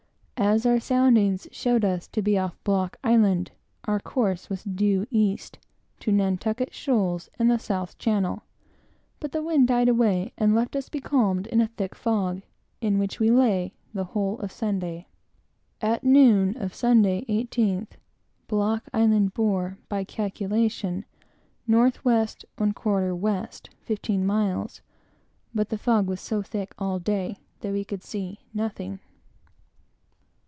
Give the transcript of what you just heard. Being off Block Island, our course was due east, to Nantucket Shoals, and the South Channel; but the wind died away and left us becalmed in a thick fog, in which we lay the whole of Sunday. At noon of Sunday, 18th, Block Island bore, by calculation, N. W. 1/4 W. fifteen miles; but the fog was so thick all day that we could see nothing.